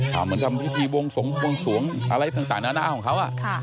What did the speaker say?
เหมือนทำพิธีวงสวงอะไรต่างนานาของเขา